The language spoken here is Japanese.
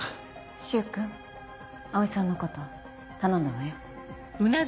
柊君葵さんのこと頼んだわよ。